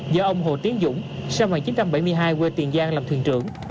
do ông hồ tiến dũng sang ngoài chín trăm bảy mươi hai quê tiền giang làm thuyền trưởng